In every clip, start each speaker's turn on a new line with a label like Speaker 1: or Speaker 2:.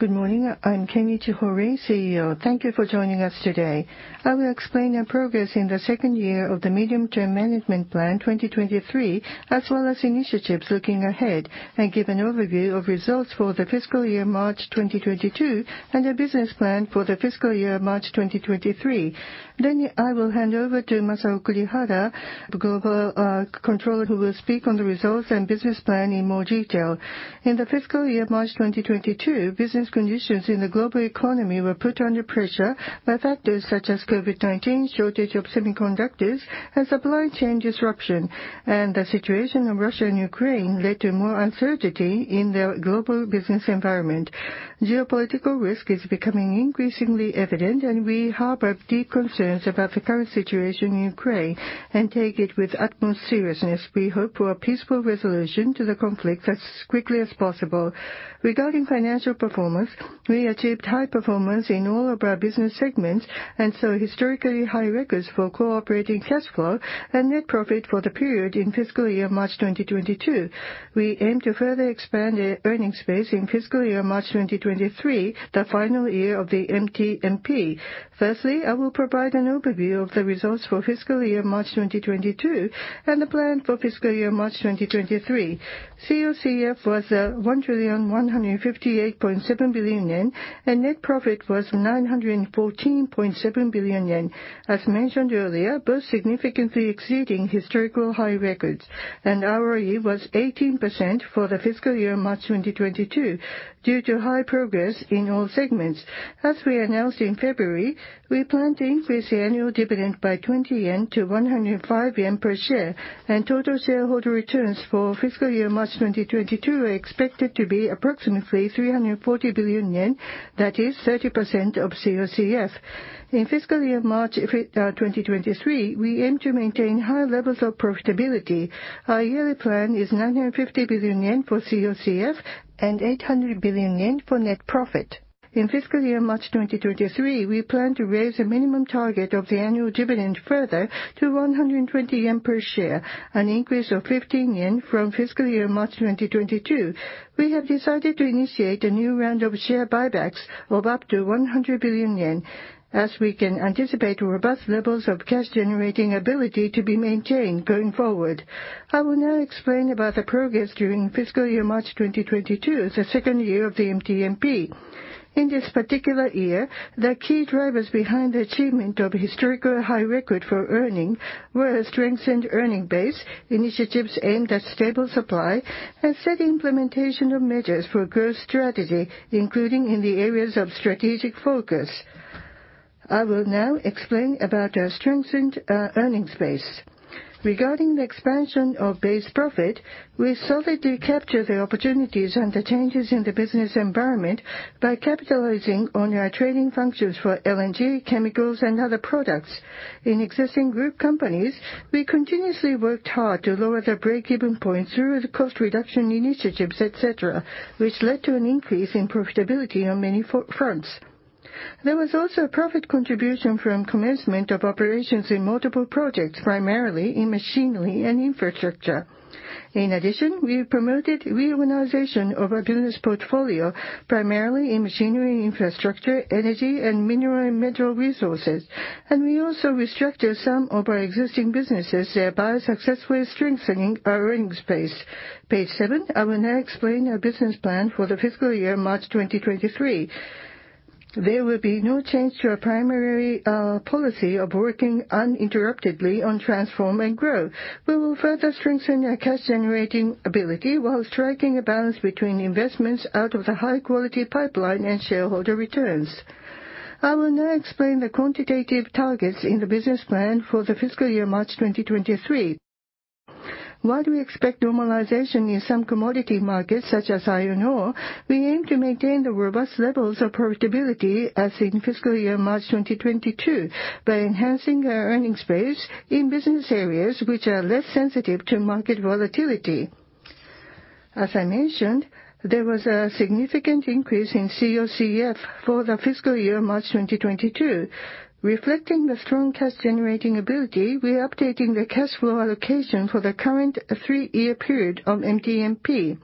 Speaker 1: Good morning. I'm Kenichi Hori, CEO. Thank you for joining us today. I will explain our progress in the second year of the medium-term management plan 2023, as well as initiatives looking ahead, and give an overview of results for the fiscal year March 2022, and the business plan for the fiscal year March 2023. Then I will hand over to Masao Kurihara, the global controller, who will speak on the results and business plan in more detail. In the fiscal year March 2022, business conditions in the global economy were put under pressure by factors such as COVID-19, shortage of semiconductors, and supply chain disruption. The situation in Russia and Ukraine led to more uncertainty in the global business environment. Geopolitical risk is becoming increasingly evident, and we harbor deep concerns about the current situation in Ukraine, and take it with utmost seriousness. We hope for a peaceful resolution to the conflict as quickly as possible. Regarding financial performance, we achieved high performance in all of our business segments, and saw historically high records for operating cash flow and net profit for the period in fiscal year March 2022. We aim to further expand the earning base in fiscal year March 2023, the final year of the MTMP. First, I will provide an overview of the results for fiscal year March 2022, and the plan for fiscal year March 2023. COCF was 1,158.7 billion yen, and net profit was 914.7 billion yen. As mentioned earlier, both significantly exceeding historical high records. ROE was 18% for the fiscal year March 2022 due to high progress in all segments. As we announced in February, we plan to increase the annual dividend by 20 yen to 105 yen per share, and total shareholder returns for fiscal year March 2022 are expected to be approximately 340 billion yen. That is 30% of COCF. In fiscal year March 2023, we aim to maintain high levels of profitability. Our yearly plan is 950 billion yen for COCF, and 800 billion yen for net profit. In fiscal year March 2023, we plan to raise the minimum target of the annual dividend further to 120 yen per share, an increase of 15 yen from fiscal year March 2022. We have decided to initiate a new round of share buybacks of up to 100 billion yen, as we can anticipate robust levels of cash-generating ability to be maintained going forward. I will now explain about the progress during fiscal year March 2022, the second year of the MTMP. In this particular year, the key drivers behind the achievement of historical high record for earnings were a strengthened earnings base, initiatives aimed at stable supply, and steady implementation of measures for growth strategy, including in the areas of strategic focus. I will now explain about our strengthened earnings base. Regarding the expansion of base profit, we solidly capture the opportunities and the changes in the business environment by capitalizing on our trading functions for LNG, chemicals, and other products. In existing group companies, we continuously worked hard to lower the break-even point through the cost reduction initiatives, et cetera, which led to an increase in profitability on many fronts. There was also a profit contribution from commencement of operations in multiple projects, primarily in machinery and infrastructure. In addition, we promoted reorganization of our business portfolio, primarily in machinery and infrastructure, energy, and mineral resources. We also restructured some of our existing businesses, thereby successfully strengthening our earnings base. Page seven, I will now explain our business plan for the fiscal year March 2023. There will be no change to our primary policy of working uninterruptedly on transform and grow. We will further strengthen our cash-generating ability while striking a balance between investments out of the high-quality pipeline and shareholder returns. I will now explain the quantitative targets in the business plan for the fiscal year March 2023. While we expect normalization in some commodity markets such as iron ore, we aim to maintain the robust levels of profitability as in fiscal year March 2022, by enhancing our earnings base in business areas which are less sensitive to market volatility. As I mentioned, there was a significant increase in COCF for the fiscal year March 2022. Reflecting the strong cash-generating ability, we are updating the cash flow allocation for the current three-year period of MTMP.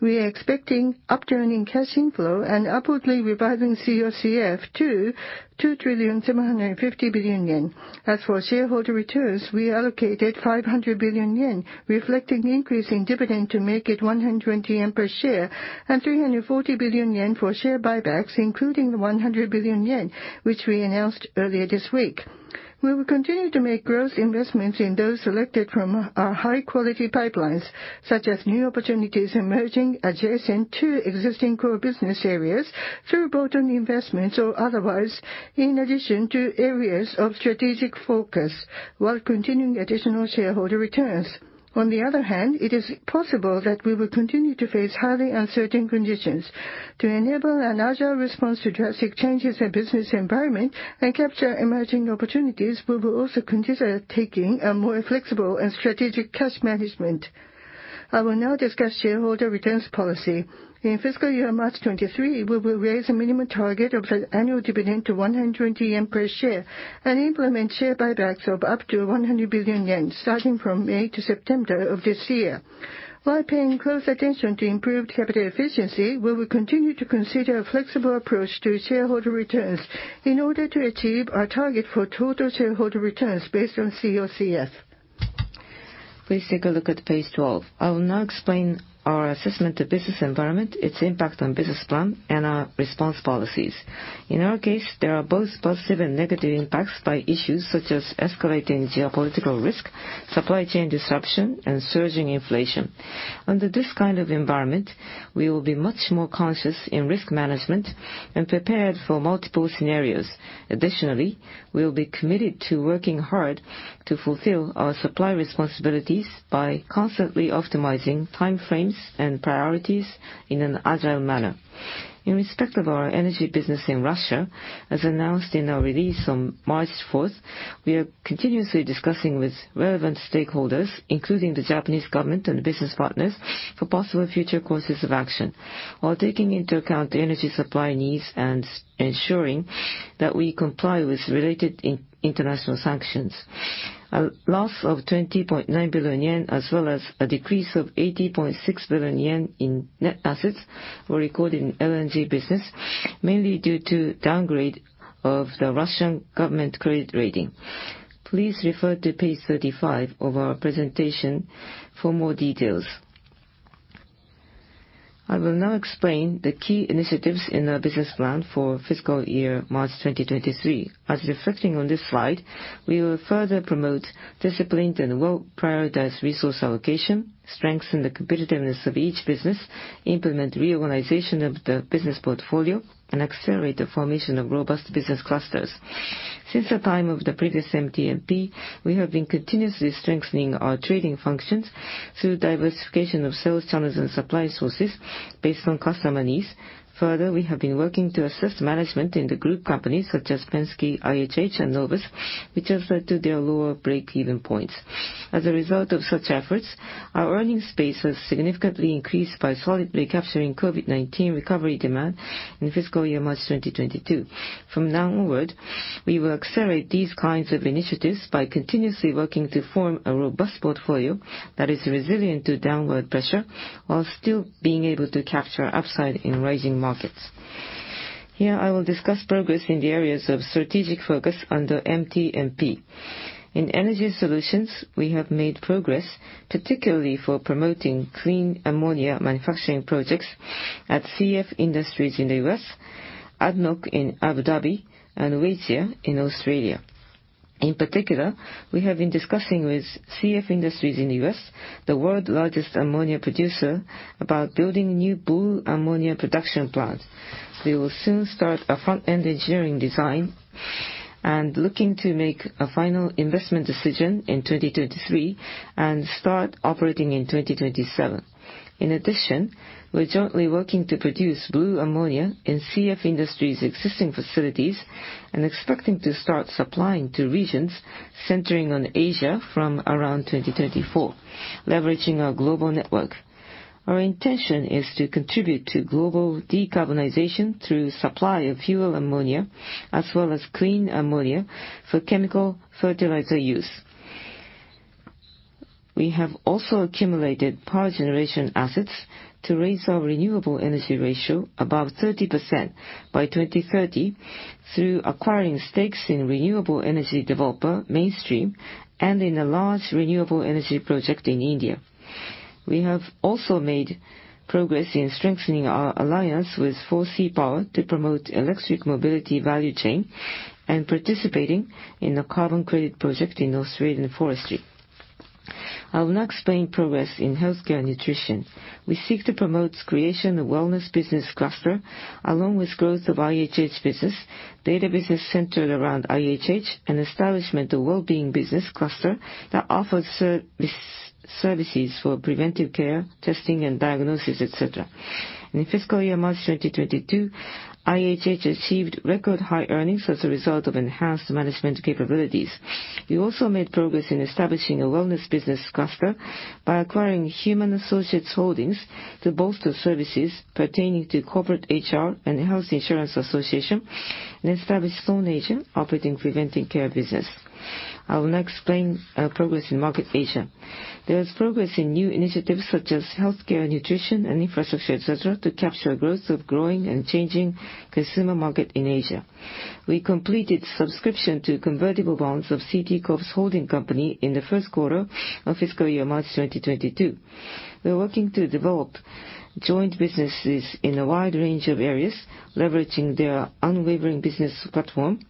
Speaker 1: We are expecting upturning cash inflow and upwardly revising COCF to 2.75 trillion. As for shareholder returns, we allocated 500 billion yen, reflecting the increase in dividend to make it 120 yen per share, and 340 billion yen for share buybacks, including the 100 billion yen, which we announced earlier this week. We will continue to make growth investments in those selected from our high-quality pipelines, such as new opportunities emerging adjacent to existing core business areas through bolt-on investments or otherwise, in addition to areas of strategic focus while continuing additional shareholder returns. On the other hand, it is possible that we will continue to face highly uncertain conditions. To enable an agile response to drastic changes in business environment and capture emerging opportunities, we will also consider taking a more flexible and strategic cash management. I will now discuss shareholder returns policy. In fiscal year March 2023, we will raise a minimum target of the annual dividend to 120 yen per share, and implement share buybacks of up to 100 billion yen, starting from May to September of this year. While paying close attention to improved capital efficiency, we will continue to consider a flexible approach to shareholder returns in order to achieve our target for total shareholder returns based on COCF. Please take a look at page 12. I will now explain our assessment of the business environment, its impact on the business plan, and our response policies. In our case, there are both positive and negative impacts by issues such as escalating geopolitical risk, supply chain disruption, and surging inflation. Under this kind of environment, we will be much more conscious in risk management and prepared for multiple scenarios. Additionally, we will be committed to working hard to fulfill our supply responsibilities by constantly optimizing time frames and priorities in an agile manner. In respect of our energy business in Russia, as announced in our release on March 4, we are continuously discussing with relevant stakeholders, including the Japanese government and business partners, for possible future courses of action. While taking into account the energy supply needs and ensuring that we comply with related international sanctions. A loss of 20.9 billion yen as well as a decrease of 80.6 billion yen in net assets were recorded in LNG business, mainly due to downgrade of the Russian government credit rating. Please refer to page 35 of our presentation for more details. I will now explain the key initiatives in our business plan for fiscal year March 2023. As reflecting on this slide, we will further promote disciplined and well-prioritized resource allocation, strengthen the competitiveness of each business, implement reorganization of the business portfolio, and accelerate the formation of robust business clusters. Since the time of the previous MTMP, we have been continuously strengthening our trading functions through diversification of sales channels and supply sources based on customer needs. Further, we have been working to assess management in the group companies such as Penske, IHH, and Novus, which have led to their lower break-even points. As a result of such efforts, our earnings base has significantly increased by solidly capturing COVID-19 recovery demand in fiscal year March 2022. From now onward, we will accelerate these kinds of initiatives by continuously working to form a robust portfolio that is resilient to downward pressure while still being able to capture upside in rising markets. Here, I will discuss progress in the areas of strategic focus under MTMP. In energy solutions, we have made progress, particularly for promoting clean ammonia manufacturing projects at CF Industries in the U.S., ADNOC in Abu Dhabi, and Woodside in Australia. In particular, we have been discussing with CF Industries in the U.S., the world's largest ammonia producer, about building new blue ammonia production plants. We will soon start a front-end engineering design and looking to make a final investment decision in 2023 and start operating in 2027. In addition, we're jointly working to produce blue ammonia in CF Industries' existing facilities and expecting to start supplying to regions centering on Asia from around 2024, leveraging our global network. Our intention is to contribute to global decarbonization through supply of fuel ammonia as well as clean ammonia for chemical fertilizer use. We have also accumulated power generation assets to raise our renewable energy ratio above 30% by 2030 through acquiring stakes in renewable energy developer, Mainstream, and in a large renewable energy project in India. We have also made progress in strengthening our alliance with ForeFront Power to promote electric mobility value chain and participating in a carbon credit project in Australian forestry. I will now explain progress in healthcare and nutrition. We seek to promote creation of wellness business cluster along with growth of IHH business, data business centered around IHH, and establishment of wellbeing business cluster that offers services for preventive care, testing, and diagnosis, et cetera. In fiscal year March 2022, IHH achieved record-high earnings as a result of enhanced management capabilities. We also made progress in establishing a wellness business cluster by acquiring Human Associates Holdings to bolster services pertaining to corporate HR and health insurance association, and established Stone Asia, operating preventive care business. I will now explain our progress in Market Asia. There is progress in new initiatives such as healthcare, nutrition, and infrastructure, et cetera, to capture growth of growing and changing consumer market in Asia. We completed subscription to convertible bonds of CT Corp's holding company in the first quarter of fiscal year March 2022. We are working to develop joint businesses in a wide range of areas, leveraging their unwavering business platform,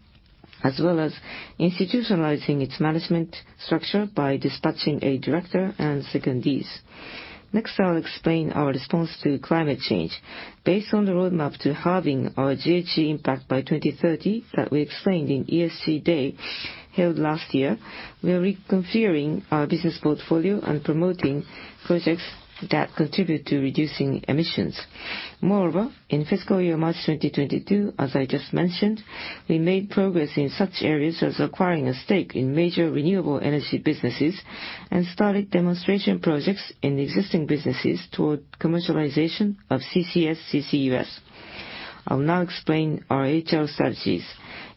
Speaker 1: as well as institutionalizing its management structure by dispatching a director and secondees. Next, I'll explain our response to climate change. Based on the roadmap to halving our GHG impact by 2030 that we explained in ESG day held last year, we are reconfiguring our business portfolio and promoting projects that contribute to reducing emissions. Moreover, in fiscal year March 2022, as I just mentioned, we made progress in such areas as acquiring a stake in major renewable energy businesses and started demonstration projects in existing businesses toward commercialization of CCS/CCUS. I will now explain our HR strategies.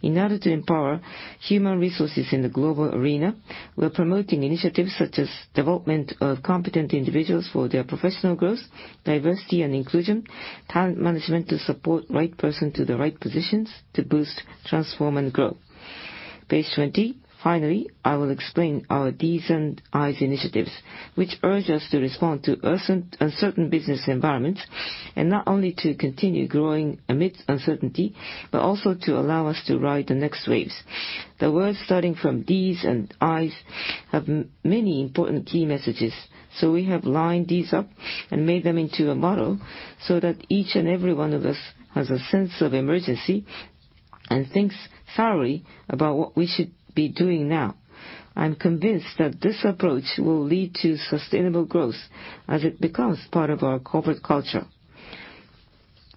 Speaker 1: In order to empower human resources in the global arena, we are promoting initiatives such as development of competent individuals for their professional growth, diversity and inclusion, talent management to support right person to the right positions to boost, transform, and grow. Page 20. Finally, I will explain our D's and I's initiatives, which urge us to respond to uncertain business environments and not only to continue growing amidst uncertainty, but also to allow us to ride the next waves. The words starting from D's and I's have many important key messages. We have lined these up and made them into a model so that each and every one of us has a sense of emergency and thinks thoroughly about what we should be doing now. I'm convinced that this approach will lead to sustainable growth as it becomes part of our corporate culture.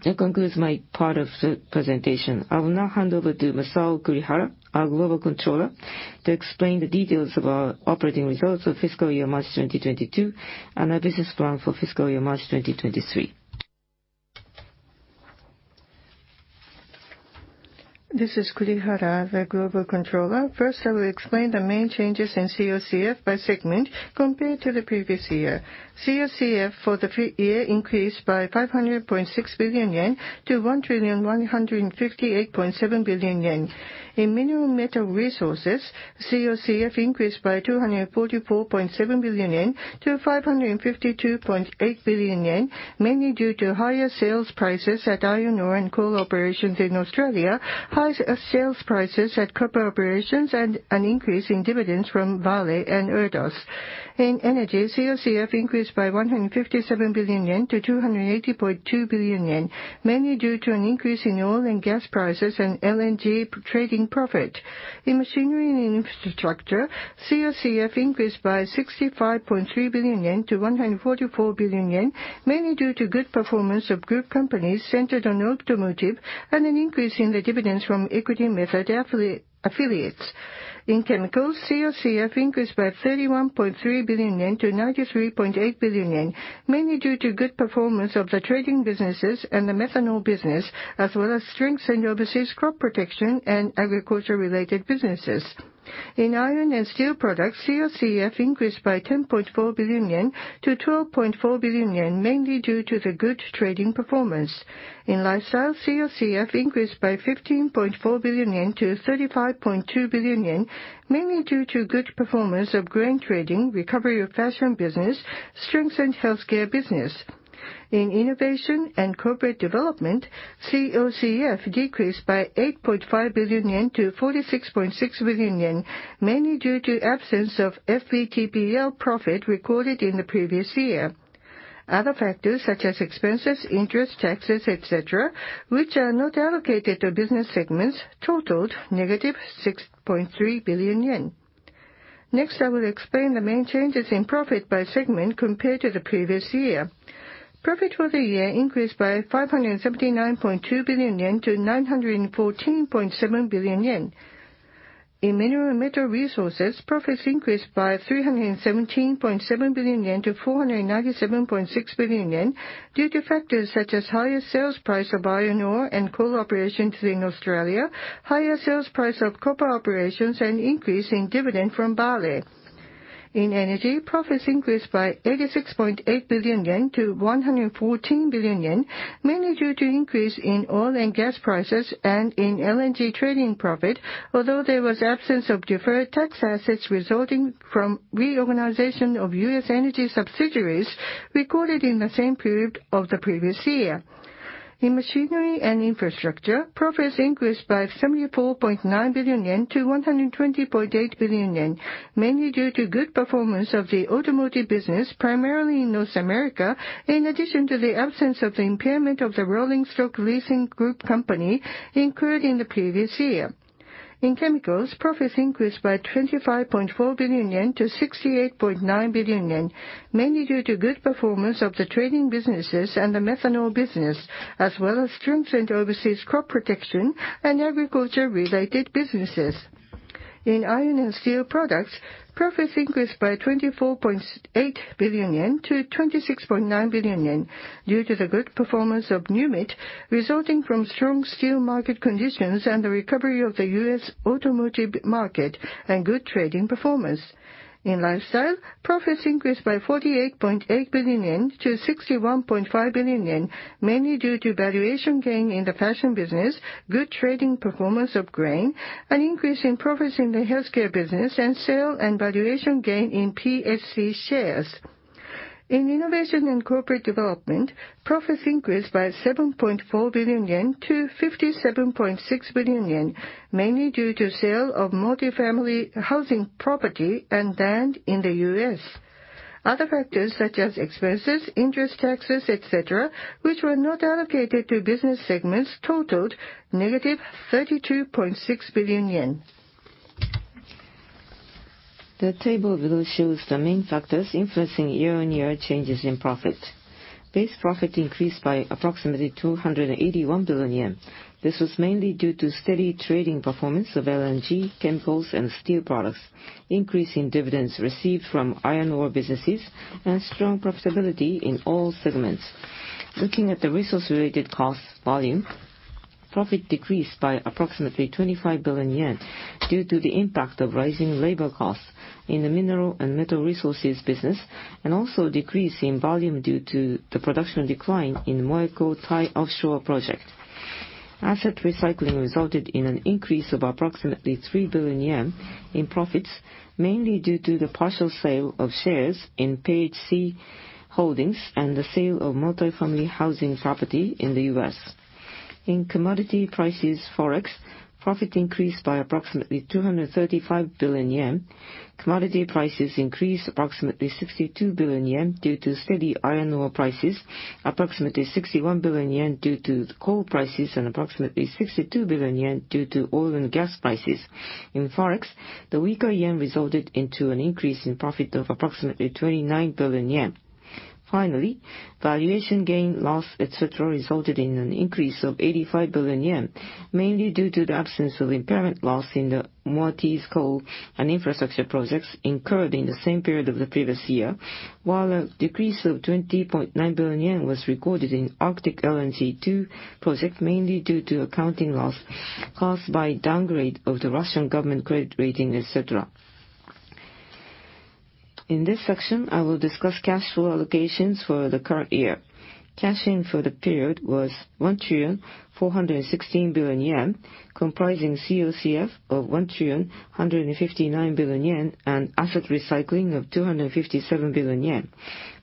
Speaker 1: That concludes my part of the presentation. I will now hand over to Masao Kurihara, our Global Controller, to explain the details of our operating results for fiscal year March 2022 and our business plan for fiscal year March 2023.
Speaker 2: This is Kurihara, the Global Controller. First, I will explain the main changes in COCF by segment compared to the previous year. COCF for the full year increased by 500.6 billion yen to 1,158.7 billion yen. In Mineral Resources, COCF increased by 244.7 billion yen to 552.8 billion yen, mainly due to higher sales prices at iron ore and coal operations in Australia, higher sales prices at copper operations, and an increase in dividends from Vale and Erdos. In Energy, COCF increased by 157 billion yen to 280.2 billion yen, mainly due to an increase in oil and gas prices and LNG trading profit. In Machinery & Infrastructure, COCF increased by 65.3 billion yen to 144 billion yen, mainly due to good performance of group companies centered on automotive and an increase in the dividends from equity method affiliates. In Chemicals, COCF increased by 31.3 billion yen to 93.8 billion yen, mainly due to good performance of the trading businesses and the methanol business, as well as strengths in overseas crop protection and agriculture-related businesses. In Iron & Steel Products, COCF increased by 10.4 billion yen to 12.4 billion yen, mainly due to the good trading performance. In Lifestyle, COCF increased by 15.4 billion yen to 35.2 billion yen, mainly due to good performance of grain trading, recovery of fashion business, strengths in healthcare business. In Innovation and Corporate Development, COCF decreased by 8.5 billion yen to 46.6 billion yen, mainly due to absence of FVTPL profit recorded in the previous year. Other factors such as expenses, interest, taxes, et cetera, which are not allocated to business segments totaled -6.3 billion yen. Next, I will explain the main changes in profit by segment compared to the previous year. Profit for the year increased by 579.2 billion yen to 914.7 billion yen. In Mineral & Metal Resources, profits increased by 317.7 billion yen to 497.6 billion yen due to factors such as higher sales price of iron ore and coal operations in Australia, higher sales price of copper operations, and increase in dividend from Vale. In Energy, profits increased by 86.8 billion yen to 114 billion yen, mainly due to increase in oil and gas prices and in LNG trading profit. Although there was absence of deferred tax assets resulting from reorganization of U.S. energy subsidiaries recorded in the same period of the previous year. In Machinery & Infrastructure, profits increased by 74.9 billion yen to 120.8 billion yen, mainly due to good performance of the automotive business, primarily in North America, in addition to the absence of the impairment of the rolling stock leasing group company incurred in the previous year. In Chemicals, profits increased by 25.4 billion yen to 68.9 billion yen, mainly due to good performance of the trading businesses and the methanol business, as well as strengths in overseas crop protection and agriculture-related businesses. In Iron & Steel Products, profits increased by 24.8 billion yen to 26.9 billion yen due to the good performance of NewMet, resulting from strong steel market conditions and the recovery of the U.S. automotive market and good trading performance. In Lifestyle, profits increased by 48.8 billion yen to 61.5 billion yen, mainly due to valuation gain in the fashion business, good trading performance of grain, an increase in profits in the healthcare business, and sale and valuation gain in PHC Holdings shares. In Innovation and Corporate Development, profits increased by 7.4 billion yen to 57.6 billion yen, mainly due to sale of multi-family housing property and land in the U.S. Other factors such as expenses, interest, taxes, et cetera, which were not allocated to business segments totaled negative JPY 32.6 billion. The table below shows the main factors influencing year-on-year changes in profit. Base profit increased by approximately 281 billion yen. This was mainly due to steady trading performance of LNG, chemicals, and steel products, increase in dividends received from iron ore businesses, and strong profitability in all segments. Looking at the resource-related costs volume, profit decreased by approximately 25 billion yen due to the impact of rising labor costs in the mineral and metal resources business, and also decrease in volume due to the production decline in Montara offshore project. Asset recycling resulted in an increase of approximately 3 billion yen in profits, mainly due to the partial sale of shares in PHC Holdings and the sale of multifamily housing property in the U.S. In commodity prices forex, profit increased by approximately 235 billion yen. Commodity prices increased approximately 62 billion yen due to steady iron ore prices, approximately 61 billion yen due to coal prices, and approximately 62 billion yen due to oil and gas prices. In Forex, the weaker yen resulted in an increase in profit of approximately 29 billion yen. Finally, valuation gain/loss, et cetera, resulted in an increase of 85 billion yen, mainly due to the absence of impairment loss in the Moatize coal and infrastructure projects incurred in the same period of the previous year, while a decrease of 20.9 billion yen was recorded in Arctic LNG 2 project, mainly due to accounting loss caused by downgrade of the Russian government credit rating, et cetera. In this section, I will discuss cash flow allocations for the current year. Cash in for the period was 1,416 billion yen, comprising COCF of 1,159 billion yen and asset recycling of 257 billion yen.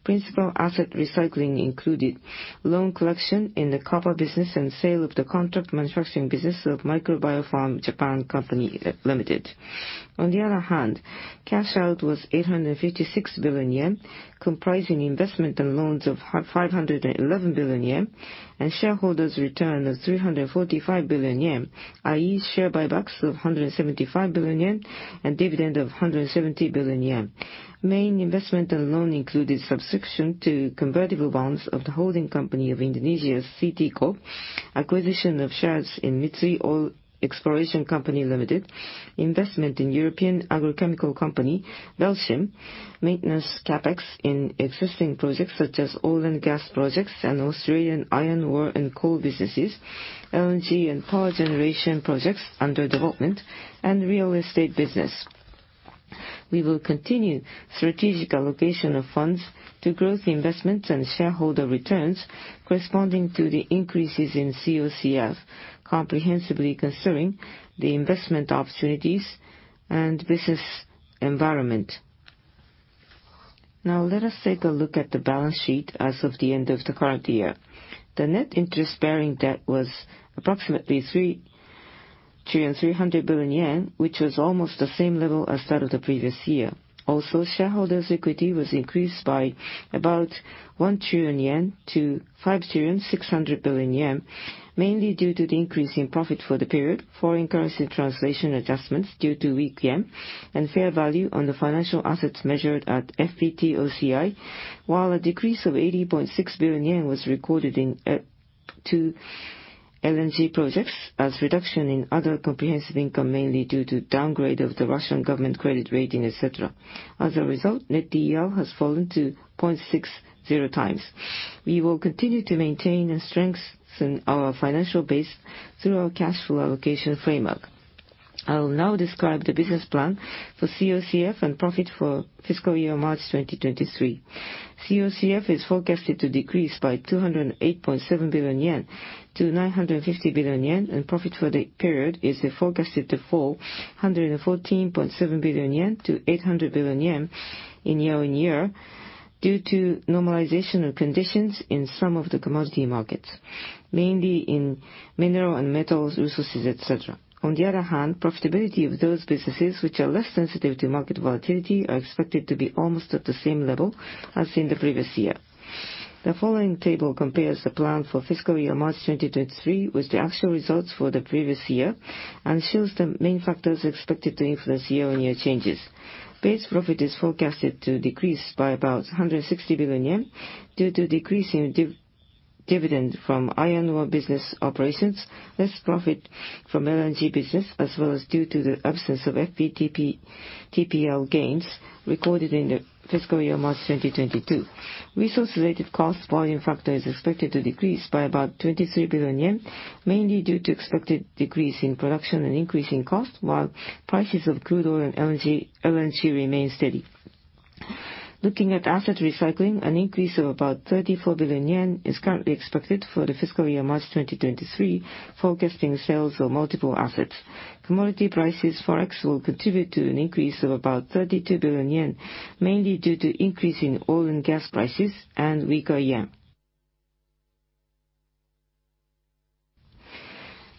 Speaker 2: Principal asset recycling included loan collection in the copper business and sale of the contract manufacturing business of MicroBiopharm Japan Co., Ltd. On the other hand, cash out was 856 billion yen, comprising investment and loans of 511 billion yen and shareholders' return of 345 billion yen, i.e., share buybacks of 175 billion yen and dividend of 170 billion yen. Main investment and loan included subscription to convertible bonds of the holding company of Indonesia's CT Corp, acquisition of shares in Mitsui Oil Exploration Co., Ltd., investment in European agrochemical company Belchim Crop Protection, maintenance CapEx in existing projects such as oil and gas projects and Australian iron ore and coal businesses, LNG and power generation projects under development, and real estate business. We will continue strategic allocation of funds to growth investments and shareholder returns corresponding to the increases in COCF, comprehensively considering the investment opportunities and business environment. Now, let us take a look at the balance sheet as of the end of the current year. The net interest-bearing debt was approximately 3.3 trillion yen, which was almost the same level as that of the previous year. Shareholders' equity was increased by about 1 trillion yen to 5.6 trillion, mainly due to the increase in profit for the period, foreign currency translation adjustments due to weak yen, and fair value on the financial assets measured at FVTOCI, while a decrease of 80.6 billion yen was recorded in two LNG projects as reduction in other comprehensive income, mainly due to downgrade of the Russian government credit rating, et cetera. As a result, net DER has fallen to 0.60 times. We will continue to maintain and strengthen our financial base through our cash flow allocation framework. I will now describe the business plan for COCF and profit for fiscal year March 2023. COCF is forecasted to decrease by 208.7 billion yen to 950 billion yen, and profit for the period is forecasted to fall by 114.7 billion yen to 800 billion yen year-on-year due to normalization of conditions in some of the commodity markets, mainly in mineral and metals resources, et cetera. On the other hand, profitability of those businesses which are less sensitive to market volatility are expected to be almost at the same level as in the previous year. The following table compares the plan for fiscal year March 2023 with the actual results for the previous year and shows the main factors expected to influence year-on-year changes. Base profit is forecasted to decrease by about 160 billion yen due to decrease in dividend from iron ore business operations, less profit from LNG business, as well as due to the absence of FVTPL gains recorded in the fiscal year March 2022. Resource-related costs volume factor is expected to decrease by about 23 billion yen, mainly due to expected decrease in production and increase in cost, while prices of crude oil and LNG remain steady. Looking at asset recycling, an increase of about 34 billion yen is currently expected for the fiscal year March 2023, forecasting sales of multiple assets. Commodity prices Forex will contribute to an increase of about 32 billion yen, mainly due to increase in oil and gas prices and weaker yen.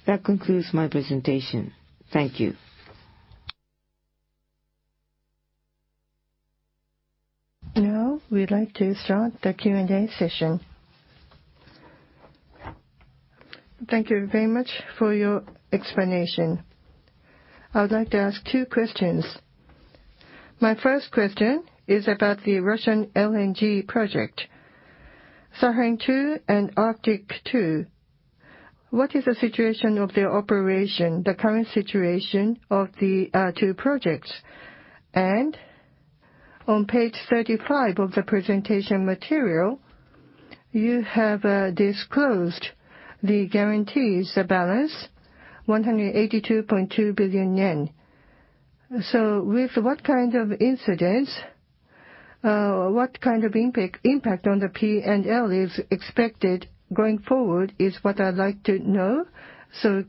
Speaker 2: That concludes my presentation. Thank you.
Speaker 1: Now, we'd like to start the Q&A session.
Speaker 3: Thank you very much for your explanation. I would like to ask two questions. My first question is about the Russian LNG project, Sakhalin-2 and Arctic LNG 2. What is the situation of the operation, the current situation of the two projects? On page 35 of the presentation material, you have disclosed the guarantees, the balance, 182.2 billion yen. With what kind of incidents, what kind of impact on the P&L is expected going forward is what I'd like to know.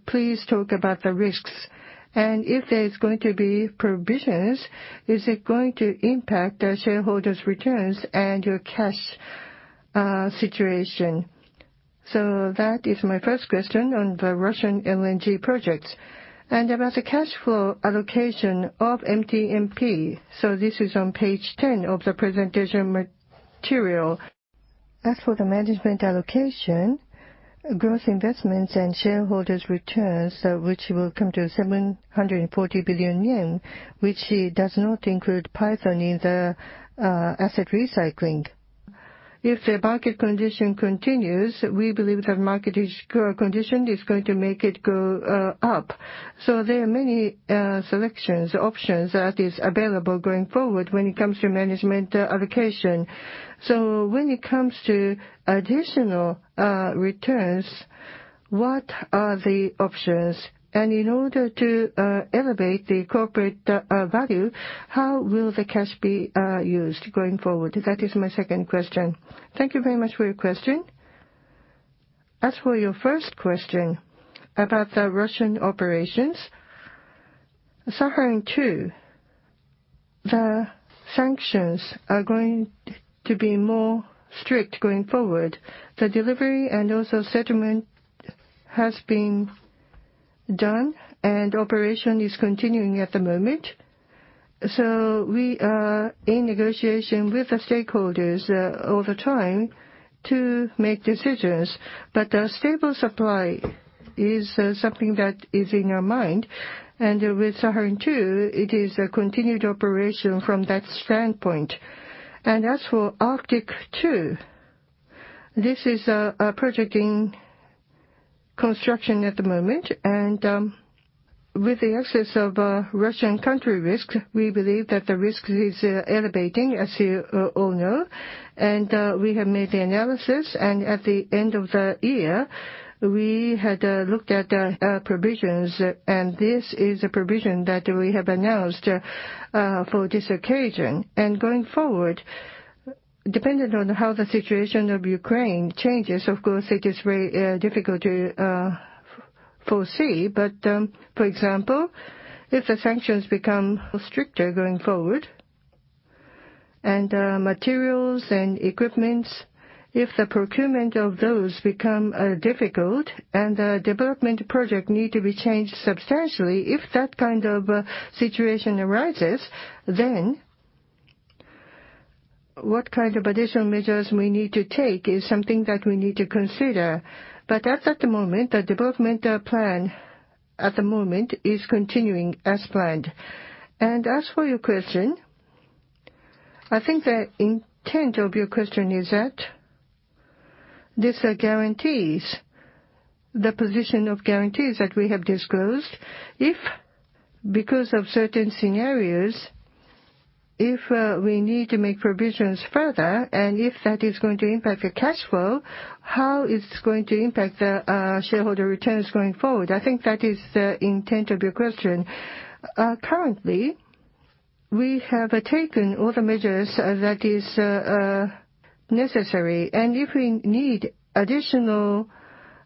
Speaker 3: Please talk about the risks. If there's going to be provisions, is it going to impact our shareholders' returns and your cash situation? That is my first question on the Russian LNG projects. About the cash flow allocation of MTMP, this is on page 10 of the presentation material. As for the management allocation, gross investments and shareholders' returns, which will come to 740 billion yen, which does not include buyback in the asset recycling. If the market condition continues, we believe the market's current condition is going to make it go up. There are many selection options that is available going forward when it comes to management allocation. When it comes to additional returns, what are the options? In order to elevate the corporate value, how will the cash be used going forward? That is my second question.
Speaker 1: Thank you very much for your question. As for your first question about the Russian operations, Sakhalin-2, the sanctions are going to be more strict going forward. The delivery and also settlement has been done, and operation is continuing at the moment. We are in negotiation with the stakeholders all the time to make decisions. A stable supply is something that is in our mind. With Sakhalin-2, it is a continued operation from that standpoint. As for Arctic LNG 2, this is a project in construction at the moment. With the excess of Russian country risks, we believe that the risk is escalating, as you all know. We have made the analysis, and at the end of the year, we had looked at our provisions, and this is a provision that we have announced for this occasion. Going forward, depending on how the situation of Ukraine changes, of course it is very difficult to foresee. For example, if the sanctions become stricter going forward, and materials and equipment, if the procurement of those become difficult and the development project need to be changed substantially. If that kind of a situation arises, then what kind of additional measures we need to take is something that we need to consider. As at the moment, the development plan at the moment is continuing as planned. As for your question, I think the intent of your question is that these are guarantees, the position of guarantees that we have disclosed. If because of certain scenarios, if we need to make provisions further, and if that is going to impact the cash flow, how it's going to impact the shareholder returns going forward? I think that is the intent of your question. Currently, we have taken all the measures that is necessary, and if we need additional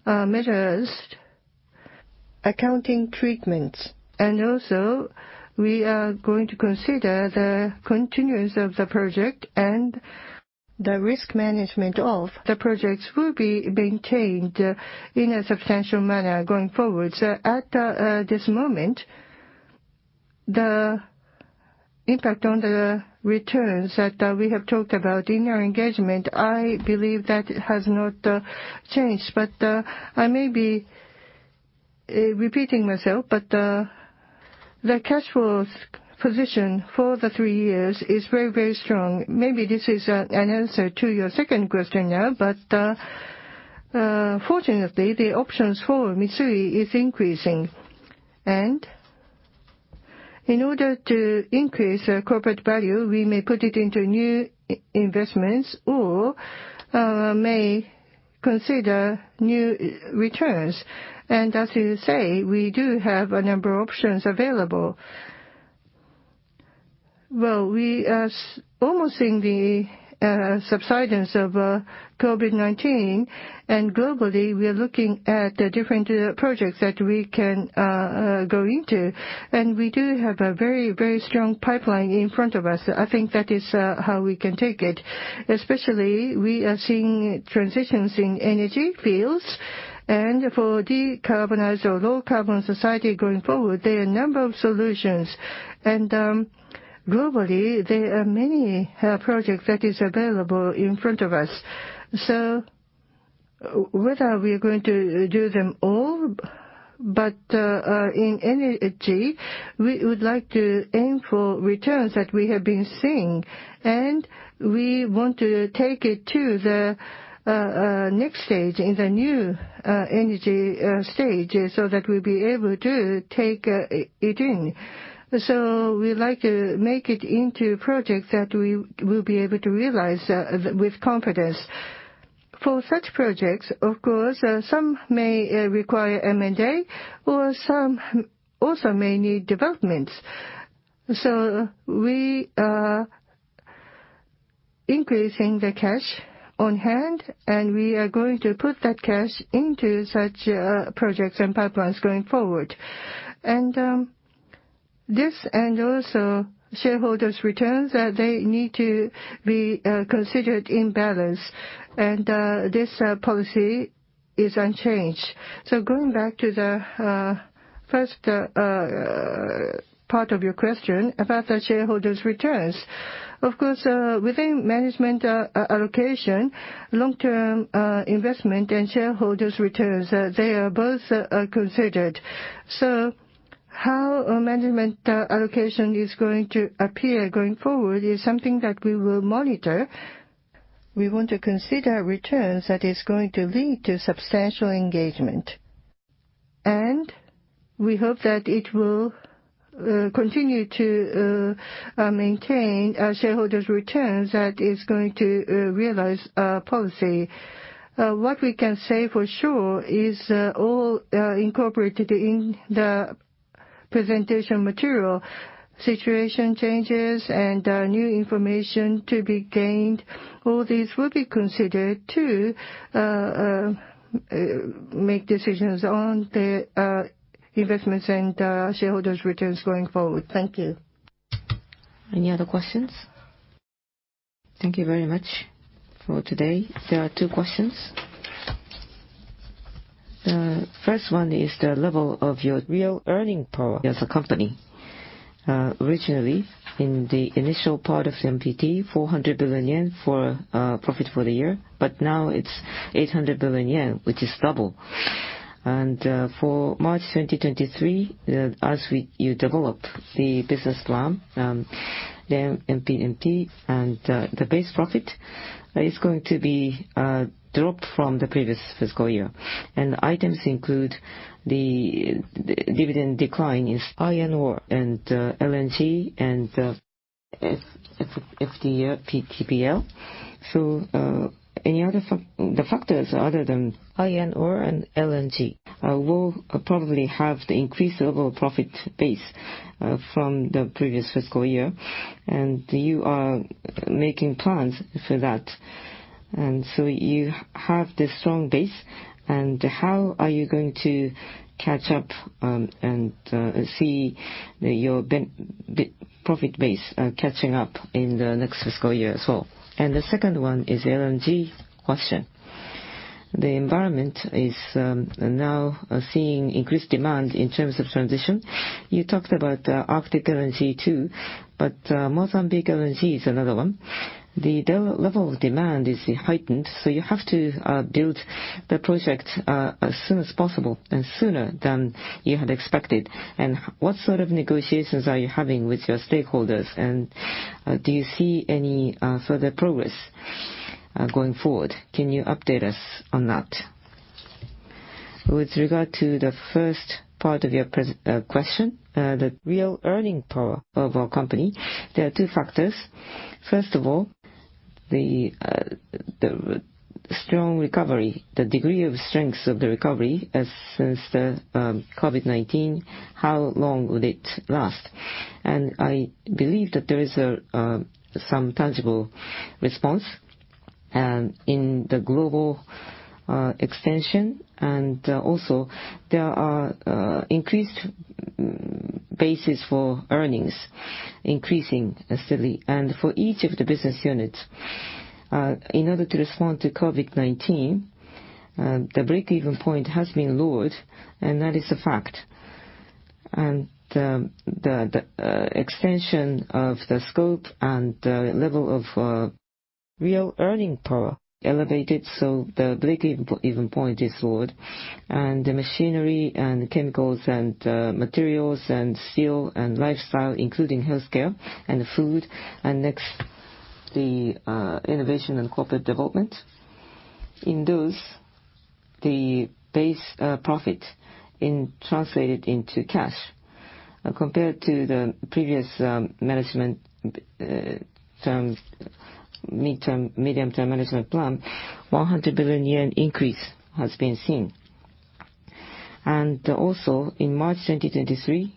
Speaker 1: measures, accounting treatments. We are going to consider the continuance of the project and the risk management of the projects will be maintained in a substantial manner going forward. At this moment, the impact on the returns that we have talked about in our engagement, I believe that has not changed. I may be repeating myself, but the cash flows position for the three years is very, very strong. Maybe this is an answer to your second question now, but fortunately, the options for Mitsui is increasing. In order to increase our corporate value, we may put it into new investments or may consider new returns. As you say, we do have a number of options available. We are almost seeing the subsidence of COVID-19. Globally, we are looking at the different projects that we can go into. We do have a very strong pipeline in front of us. I think that is how we can take it. Especially, we are seeing transitions in energy fields. For decarbonized or low-carbon society going forward, there are a number of solutions. Globally, there are many projects that is available in front of us. Whether we are going to do them all, but in energy, we would like to aim for returns that we have been seeing, and we want to take it to the next stage in the new energy stage, so that we'll be able to take it in. We'd like to make it into projects that we will be able to realize with confidence. For such projects, of course, some may require M&A, or some also may need developments. We are increasing the cash on hand, and we are going to put that cash into such projects and pipelines going forward. This and also shareholders' returns, they need to be considered in balance, and this policy is unchanged. Going back to the first part of your question about the shareholders' returns. Of course, within management allocation, long-term investment and shareholders' returns, they are both considered. How management allocation is going to appear going forward is something that we will monitor. We want to consider returns that is going to lead to substantial engagement. We hope that it will continue to maintain shareholders' returns that is going to realize our policy. What we can say for sure is all incorporated in the presentation material. Situation changes and new information to be gained, all these will be considered to make decisions on the investments and shareholders' returns going forward. Thank you. Any other questions?
Speaker 4: Thank you very much for today. There are two questions. The first one is the level of your real earning power as a company. Originally in the initial part of MTMP, 400 billion yen for profit for the year, but now it's 800 billion yen, which is double. For March 2023, as you developed the business plan, the MTMP and the base profit is going to be dropped from the previous fiscal year. Items include the dividend decline in iron ore and LNG and FVTPL. The factors other than iron ore and LNG will probably have the increased level of profit base from the previous fiscal year, and you are making plans for that. You have this strong base, and how are you going to catch up, and see your profit base catching up in the next fiscal year as well? The second one is LNG question. The environment is now seeing increased demand in terms of transition. You talked about Arctic LNG 2, but Mozambique LNG is another one. The level of demand is heightened, so you have to build the project as soon as possible and sooner than you had expected. What sort of negotiations are you having with your stakeholders, and do you see any further progress going forward? Can you update us on that?
Speaker 2: With regard to the first part of your question, the real earning power of our company, there are two factors. First of all, the strong recovery, the degree of strength of the recovery since the COVID-19. How long would it last? I believe that there is some tangible response in the global expansion, and also there are increased basis for earnings increasing steadily. For each of the business units, in order to respond to COVID-19, the break-even point has been lowered, and that is a fact. The expansion of the scope and the level of real earning power elevated, so the break-even point is lowered. The machinery and chemicals and materials and steel and lifestyle, including healthcare and food, and the innovation and corporate development. In those, the base profit translated into cash. Compared to the previous management term, medium-term management plan, 100 billion yen increase has been seen. In March 2023,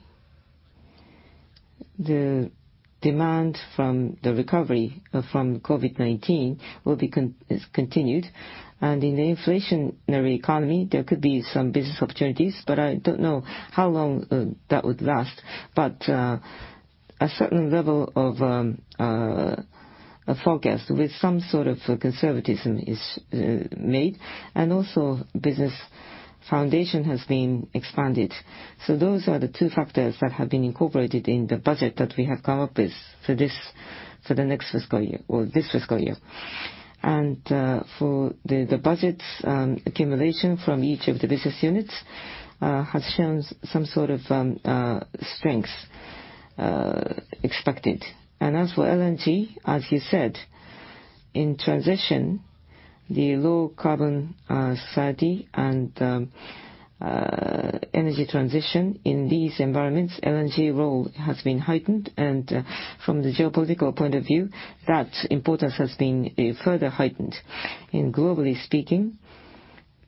Speaker 2: the demand from the recovery from COVID-19 will be continued. In the inflationary economy, there could be some business opportunities, but I don't know how long that would last. A certain level of a forecast with some sort of conservatism is made, and also business foundation has been expanded. Those are the two factors that have been incorporated in the budget that we have come up with for the next fiscal year, or this fiscal year. For the budget's accumulation from each of the business units has shown some sort of strength expected. As for LNG, as you said, in transition, the low carbon society and energy transition in these environments, LNG role has been heightened, and from the geopolitical point of view, that importance has been further heightened. Globally speaking,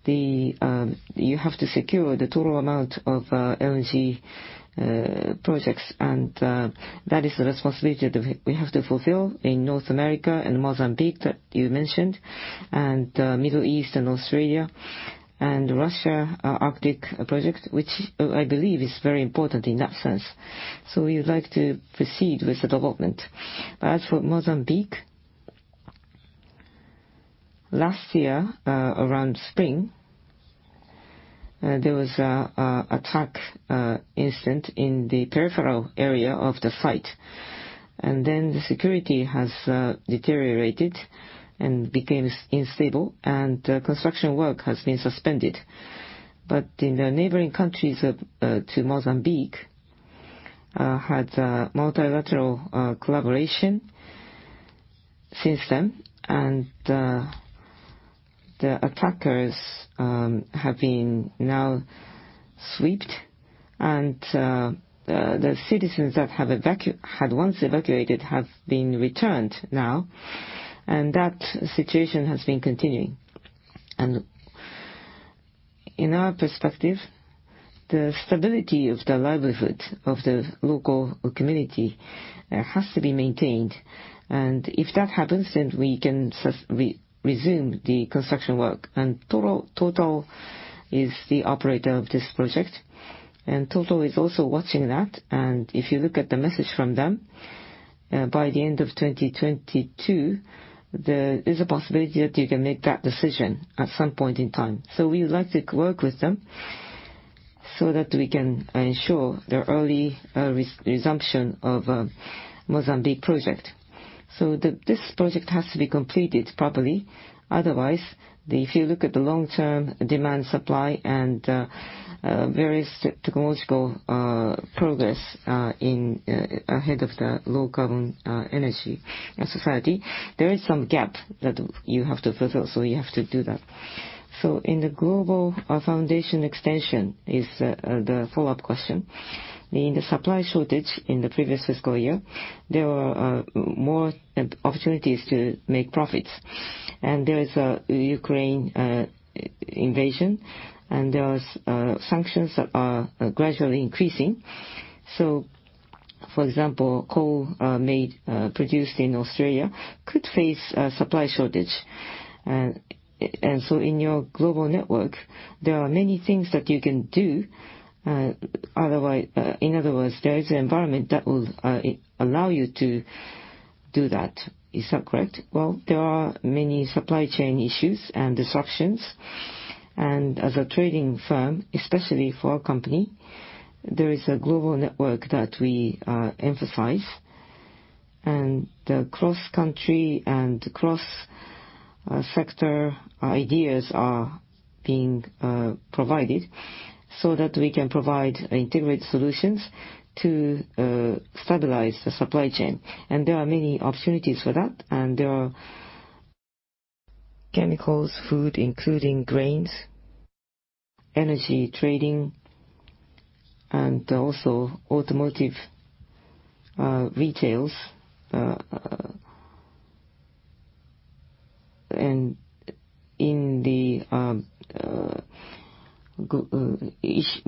Speaker 2: you have to secure the total amount of LNG projects, and that is the responsibility that we have to fulfill in North America and Mozambique that you mentioned, and Middle East and Australia, and Russia Arctic project, which I believe is very important in that sense. We would like to proceed with the development. As for Mozambique, last year, around spring, there was an attack incident in the peripheral area of the site. The security has deteriorated and became unstable, and construction work has been suspended. In the neighboring countries to Mozambique had a multilateral collaboration since then, and the attackers have now been swept, and the citizens that have had once evacuated have been returned now, and that situation has been continuing. In our perspective, the stability of the livelihood of the local community has to be maintained. If that happens, then we can resume the construction work. TotalEnergies is the operator of this project, and TotalEnergies is also watching that. If you look at the message from them, by the end of 2022, there's a possibility that you can make that decision at some point in time. We would like to work with them so that we can ensure the early resumption of Mozambique project. This project has to be completed properly. Otherwise, if you look at the long-term demand, supply, and various technological progress ahead of the low carbon energy society, there is some gap that you have to fulfill, so you have to do that. In the global foundation extension is the follow-up question. In the supply shortage in the previous fiscal year, there were more opportunities to make profits. There is a Ukraine invasion, and there is sanctions that are gradually increasing. For example, coal produced in Australia could face a supply shortage. In your global network, there are many things that you can do, in other words, there is an environment that will allow you to do that. Is that correct? Well, there are many supply chain issues and disruptions, and as a trading firm, especially for our company, there is a global network that we emphasize. The cross-country and cross-sector ideas are being provided so that we can provide integrated solutions to stabilize the supply chain. There are many opportunities for that, and there are chemicals, food, including grains, energy trading, and also automotive retails. In the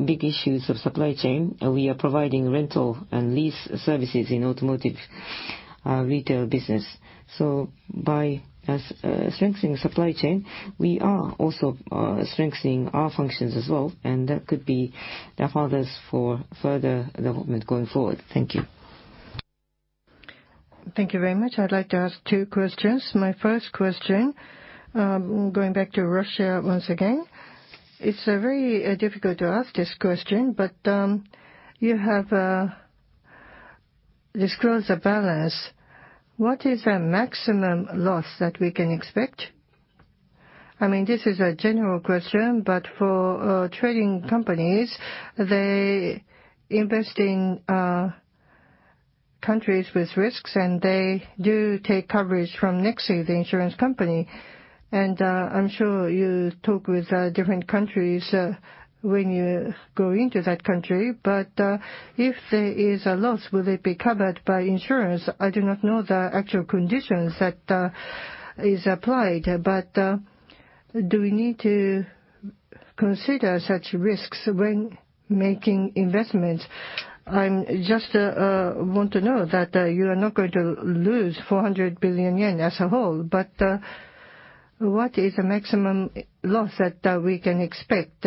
Speaker 2: big issues of supply chain, we are providing rental and lease services in automotive retail business. By strengthening supply chain, we are also strengthening our functions as well, and that could be the factors for further development going forward. Thank you.
Speaker 5: Thank you very much. I'd like to ask two questions. My first question, going back to Russia once again. It's very difficult to ask this question, but you have disclosed the balance. What is the maximum loss that we can expect? I mean, this is a general question, but for trading companies, they invest in countries with risks, and they do take coverage from NEXI, the insurance company. I'm sure you talk with different countries when you go into that country. If there is a loss, will it be covered by insurance? I do not know the actual conditions that is applied, but do we need to consider such risks when making investments? I'm just want to know that you are not going to lose 400 billion yen as a whole. What is the maximum loss that we can expect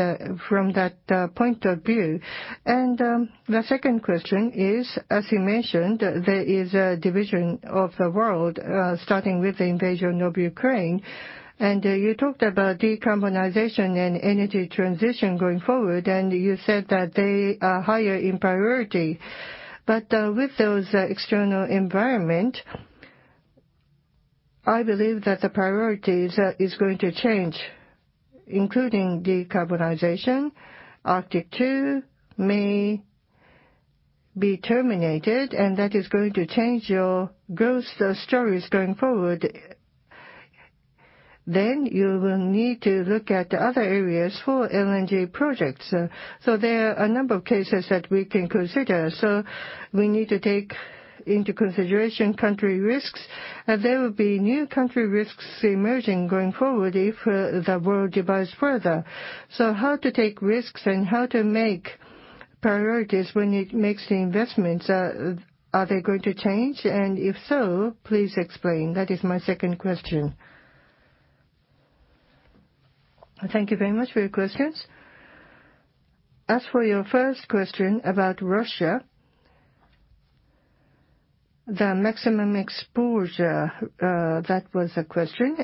Speaker 5: from that point of view? The second question is, as you mentioned, there is a division of the world starting with the invasion of Ukraine. You talked about decarbonization and energy transition going forward, and you said that they are higher in priority. With those external environment, I believe that the priorities is going to change, including decarbonization. Arctic 2 may be terminated, and that is going to change your growth stories going forward. You will need to look at other areas for LNG projects. There are a number of cases that we can consider. We need to take into consideration country risks. There will be new country risks emerging going forward if the world divides further. How to take risks and how to make priorities when it makes the investments, are they going to change? If so, please explain. That is my second question.
Speaker 1: Thank you very much for your questions. As for your first question about Russia, the maximum exposure, that was the question.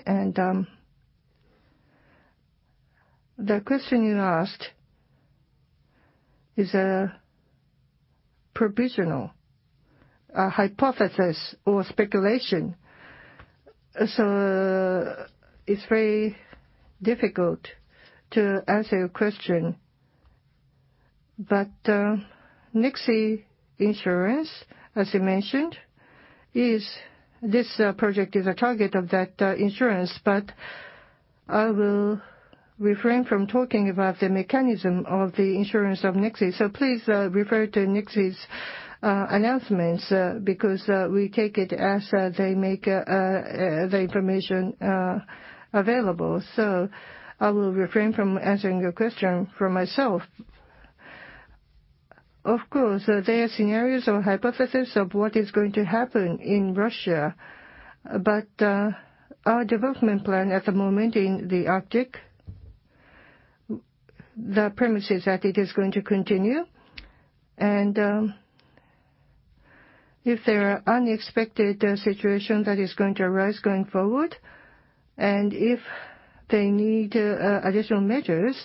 Speaker 1: The question you asked is a provisional hypothesis or speculation. It's very difficult to answer your question. NEXI insurance, as you mentioned, this project is a target of that insurance, but I will refrain from talking about the mechanism of the insurance of NEXI. Please refer to NEXI's announcements, because we take it as they make the information available. I will refrain from answering your question for myself. Of course, there are scenarios or hypothesis of what is going to happen in Russia. Our development plan at the moment in the Arctic, the premise is that it is going to continue. If there are unexpected situation that is going to arise going forward, and if they need additional measures,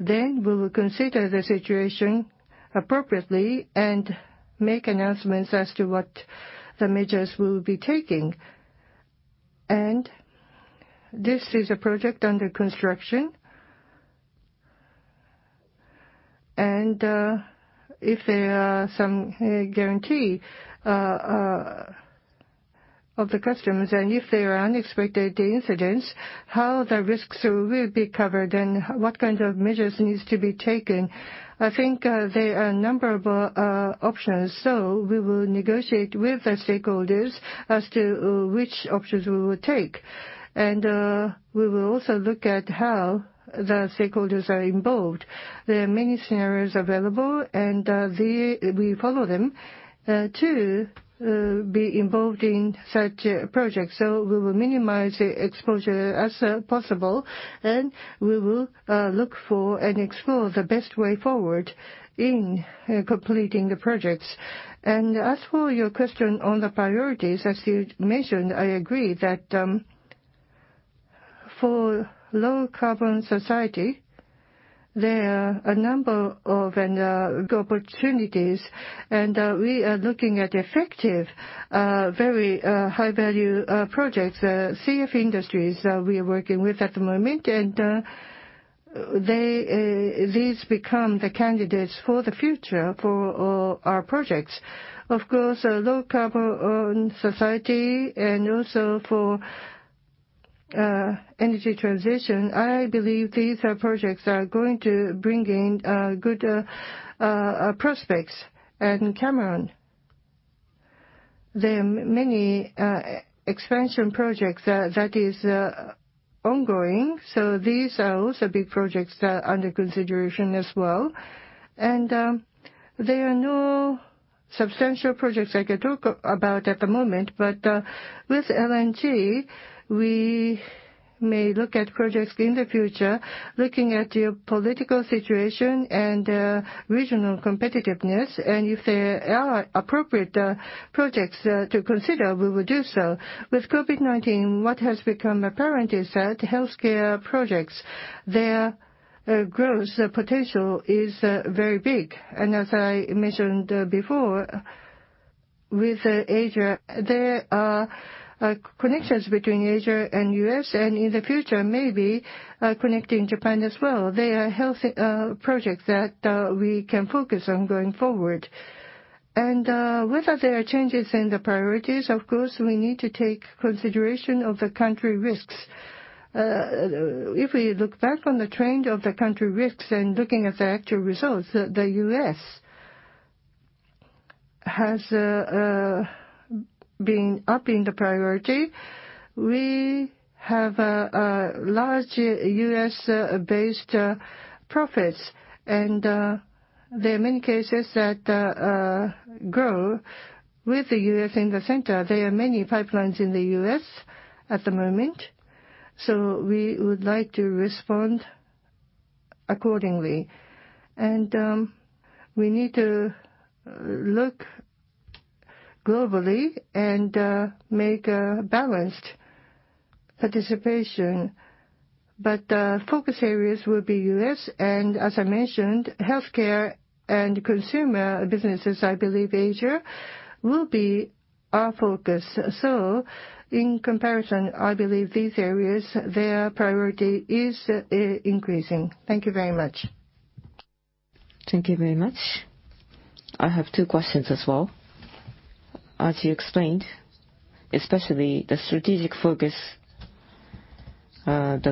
Speaker 1: then we will consider the situation appropriately and make announcements as to what the measures we'll be taking. This is a project under construction. If there are some guarantee of the customers, and if there are unexpected incidents, how the risks will be covered and what kinds of measures needs to be taken. I think there are a number of options. We will negotiate with the stakeholders as to which options we will take. We will also look at how the stakeholders are involved. There are many scenarios available, and we follow them to be involved in such projects. We will minimize the exposure as possible, and we will look for and explore the best way forward in completing the projects. As for your question on the priorities, as you mentioned, I agree that for low-carbon society, there are a number of opportunities, and we are looking at effective very high-value projects, CF Industries we are working with at the moment. These become the candidates for the future for our projects. Of course, a low-carbon society and also for energy transition, I believe these projects are going to bring in good prospects. Cameron, there are many expansion projects that is ongoing, so these are also big projects that are under consideration as well. There are no substantial projects I can talk about at the moment, but with LNG, we may look at projects in the future, looking at the political situation and regional competitiveness. If there are appropriate projects to consider, we will do so. With COVID-19, what has become apparent is that healthcare projects, their growth potential is very big. As I mentioned before, with Asia, there are connections between Asia and U.S., and in the future, maybe connecting Japan as well. They are health projects that we can focus on going forward. Whether there are changes in the priorities, of course, we need to take consideration of the country risks. If we look back on the trend of the country risks and looking at the actual results, the U.S. has been upping the priority. We have large U.S.-based profits. There are many cases that grow with the U.S. in the center. There are many pipelines in the U.S. at the moment, so we would like to respond accordingly. We need to look globally and make a balanced- Participation. Focus areas will be less, and as I mentioned, healthcare and consumer businesses. I believe Asia will be our focus. In comparison, I believe these areas, their priority is increasing. Thank you very much.
Speaker 6: Thank you very much. I have two questions as well. As you explained, especially the strategic focus, from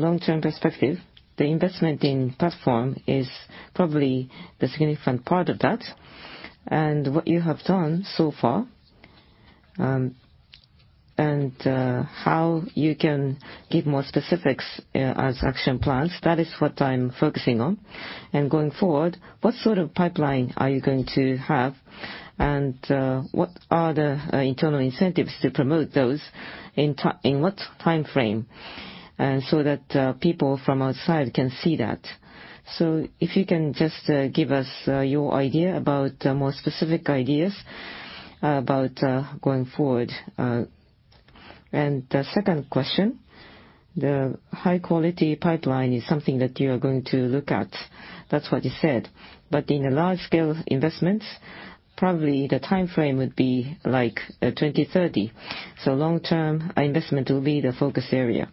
Speaker 6: long-term perspective, the investment in platform is probably the significant part of that. What you have done so far, and how you can give more specifics as action plans, that is what I'm focusing on. Going forward, what sort of pipeline are you going to have, and what are the internal incentives to promote those, in what time frame, so that people from outside can see that? If you can just give us your idea about more specific ideas about going forward. The second question, the high quality pipeline is something that you are going to look at. That's what you said. In large-scale investments, probably the time frame would be, like, 2030, so long-term investment will be the focus area.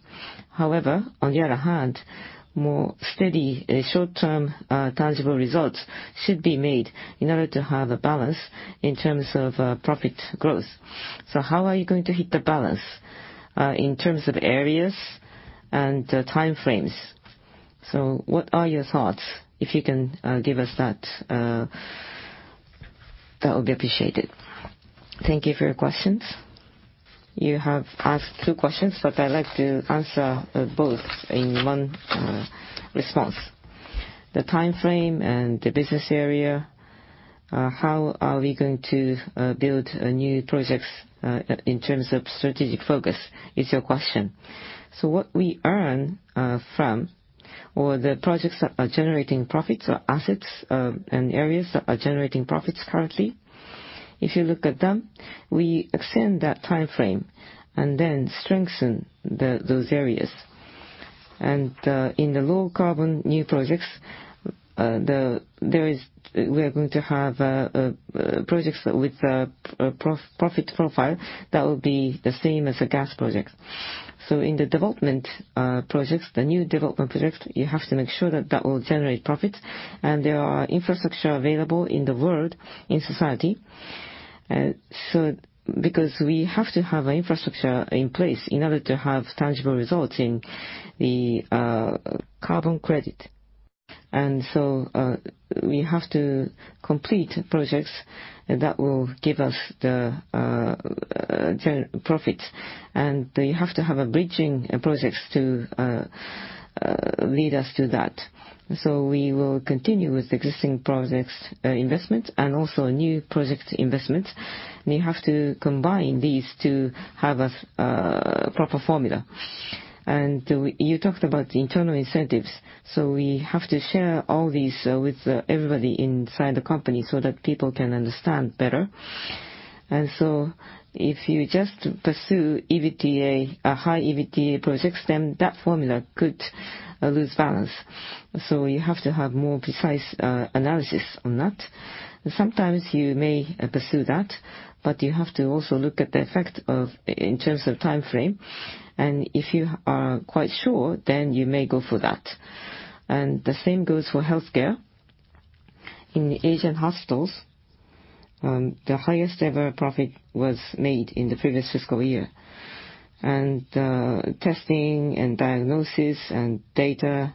Speaker 6: However, on the other hand, more steady short-term tangible results should be made in order to have a balance in terms of profit growth. How are you going to hit the balance in terms of areas and time frames? What are your thoughts? If you can give us that would be appreciated.
Speaker 2: Thank you for your questions. You have asked two questions, but I'd like to answer both in one response. The time frame and the business area, how are we going to build new projects, in terms of strategic focus is your question. What we earn from, or the projects that are generating profits or assets, and areas that are generating profits currently, if you look at them, we extend that time frame and then strengthen those areas. In the low-carbon new projects, we are going to have projects with a profit profile that will be the same as a gas project. In the development projects, the new development projects, you have to make sure that that will generate profit. There are infrastructure available in the world, in society. Because we have to have infrastructure in place in order to have tangible results in the carbon credit. We have to complete projects that will give us the gen-profits. They have to have bridging projects to lead us to that. We will continue with existing projects investment and also new project investments. We have to combine these to have a proper formula. You talked about internal incentives, so we have to share all these with everybody inside the company so that people can understand better. If you just pursue EBITA, high EBITA projects, then that formula could lose balance. You have to have more precise analysis on that. Sometimes you may pursue that, but you have to also look at the effect in terms of time frame. If you are quite sure, then you may go for that. The same goes for healthcare. In Asian hospitals, the highest ever profit was made in the previous fiscal year. Testing and diagnosis and data,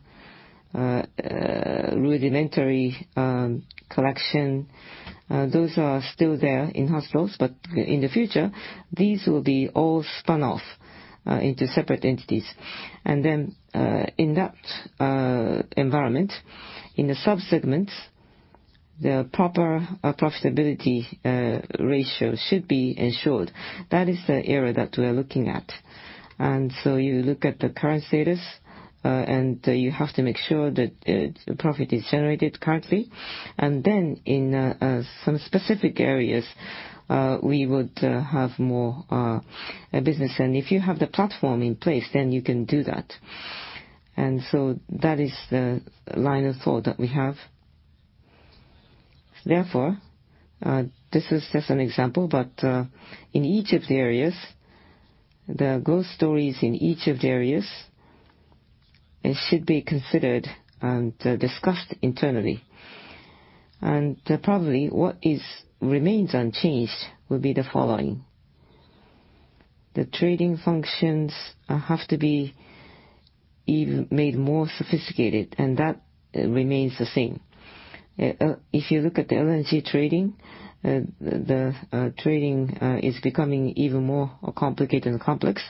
Speaker 2: rudimentary collection, those are still there in hospitals. In the future, these will be all spun off into separate entities. Then, in that environment, in the sub-segments, the proper profitability ratio should be ensured. That is the area that we are looking at. You look at the current status, and you have to make sure that profit is generated currently. In some specific areas, we would have more business. If you have the platform in place, then you can do that. That is the line of thought that we have. Therefore, this is just an example. In each of the areas, the growth stories should be considered and discussed internally. Probably what remains unchanged will be the following. The trading functions have to be even made more sophisticated, and that remains the same. If you look at the LNG trading, the trading is becoming even more complicated and complex.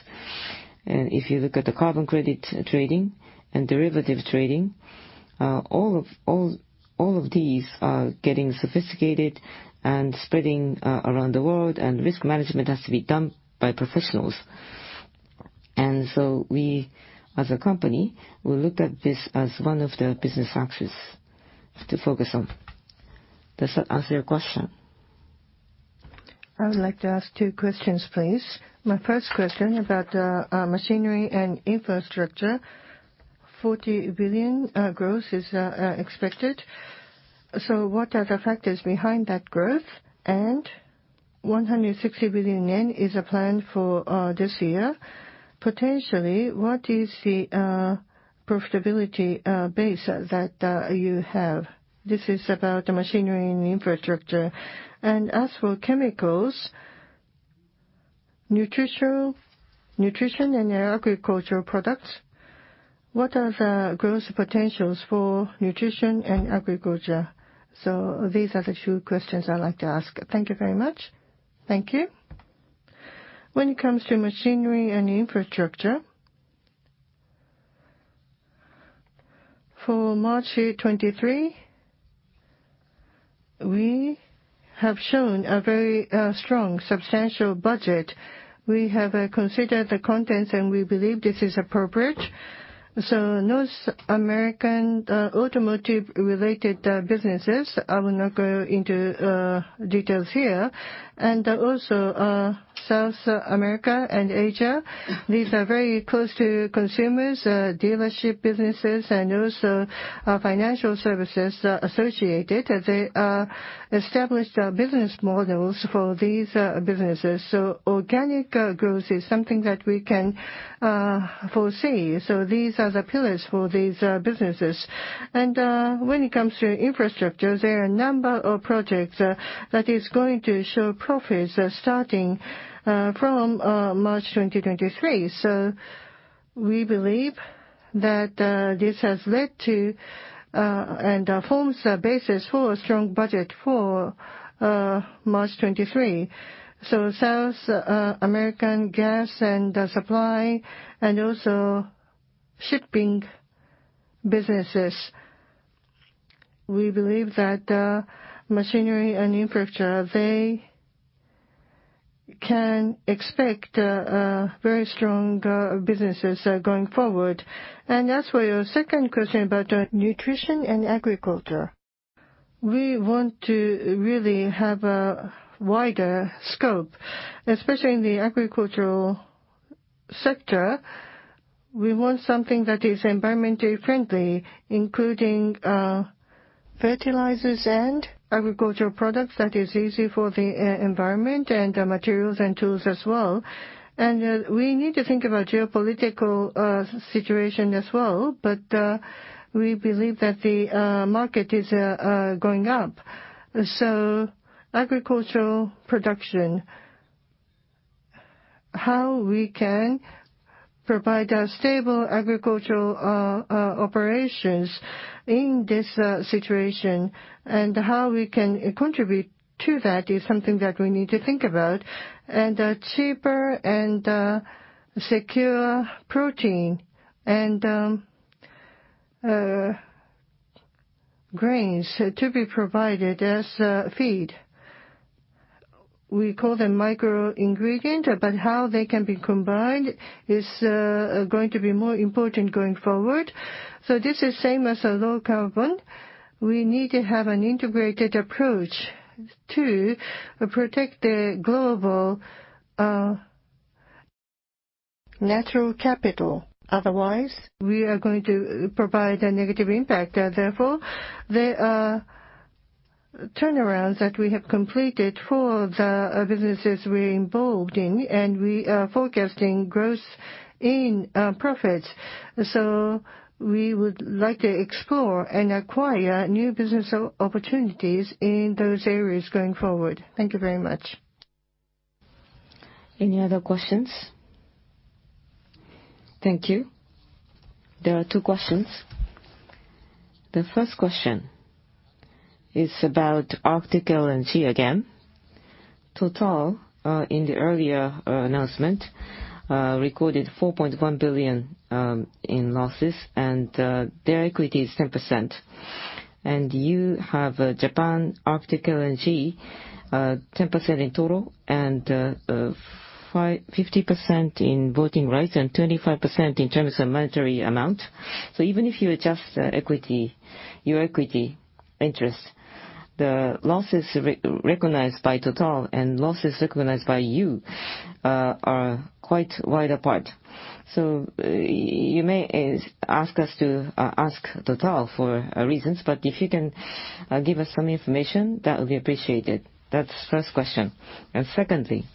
Speaker 2: If you look at the carbon credit trading and derivative trading, all of these are getting sophisticated and spreading around the world, and risk management has to be done by professionals. We, as a company, looked at this as one of the business axes to focus on. Does that answer your question?
Speaker 7: I would like to ask two questions, please. My first question about machinery and infrastructure. 40 billion growth is expected. What are the factors behind that growth? 160 billion yen is a plan for this year. Potentially, what is the profitability base that you have? This is about the machinery and infrastructure. As for chemicals, nutrition and agricultural products, what are the growth potentials for nutrition and agriculture? These are the two questions I'd like to ask. Thank you very much.
Speaker 1: Thank you. When it comes to machinery and infrastructure, for March 2023, we have shown a very strong substantial budget. We have considered the contents, and we believe this is appropriate. North American automotive-related businesses, I will not go into details here. Also, South America and Asia, these are very close to consumers, dealership businesses and also financial services associated. They are established business models for these businesses, so organic growth is something that we can foresee. These are the pillars for these businesses. When it comes to infrastructure, there are a number of projects that is going to show profits starting from March 2023. We believe that this has led to and forms a basis for a strong budget for March 2023. South American gas and supply and also shipping businesses, we believe that machinery and infrastructure, they can expect very strong businesses going forward. As for your second question about nutrition and agriculture, we want to really have a wider scope, especially in the agricultural sector. We want something that is environmentally friendly, including fertilizers and agricultural products that is easy on the environment and materials and tools as well. We need to think about geopolitical situation as well, but we believe that the market is going up. Agricultural production, how we can provide a stable agricultural operations in this situation and how we can contribute to that is something that we need to think about. A cheaper and secure protein and grains to be provided as feed. We call them micro-ingredient, but how they can be combined is going to be more important going forward. This is same as low carbon. We need to have an integrated approach to protect the global natural capital. Otherwise, we are going to provide a negative impact. Therefore, the turnarounds that we have completed for the businesses we're involved in, and we are forecasting growth in profits. We would like to explore and acquire new business opportunities in those areas going forward. Thank you very much. Any other questions?
Speaker 8: Thank you. There are two questions. The first question is about Arctic LNG again. TotalEnergies, in the earlier announcement, recorded 4.1 billion in losses, and their equity is 10%. You have Japan Arctic LNG, 10% in total and 50% in voting rights and 25% in terms of monetary amount. Even if you adjust the equity, your equity interest, the losses recognized by TotalEnergies and losses recognized by you are quite wide apart. You may ask us to ask TotalEnergies for reasons, but if you can give us some information, that would be appreciated. That's first question. Secondly,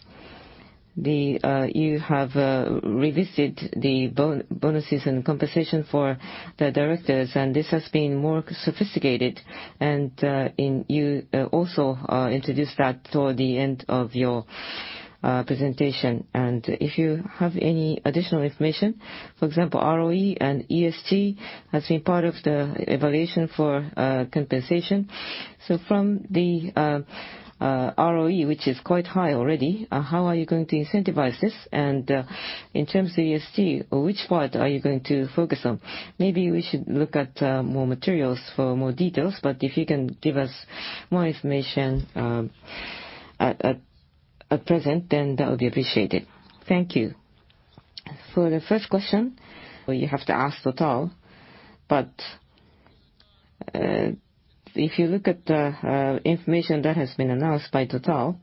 Speaker 8: you have revisited the bonuses and compensation for the directors, and this has been more sophisticated. You also introduced that toward the end of your presentation. If you have any additional information, for example, ROE and ESG has been part of the evaluation for compensation. From the ROE, which is quite high already, how are you going to incentivize this? In terms of ESG, which part are you going to focus on? Maybe we should look at more materials for more details, but if you can give us more information at present, then that would be appreciated. Thank you.
Speaker 2: For the first question, well, you have to ask TotalEnergies. If you look at the information that has been announced by TotalEnergies